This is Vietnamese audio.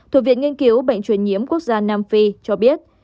thuộc viện nghiên cứu bệnh truyền nhiễm quốc gia nam phi cho biết